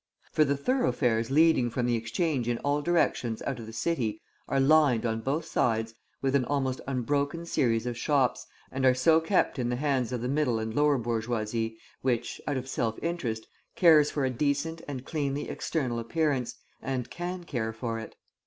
For the thoroughfares leading from the Exchange in all directions out of the city are lined, on both sides, with an almost unbroken series of shops, and are so kept in the hands of the middle and lower bourgeoisie, which, out of self interest, cares for a decent and cleanly external appearance and can care for it.